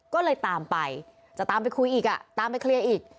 ก็เลยตามไปจะตามไปคุยอีกอ่ะตามไปเคลียร์อีก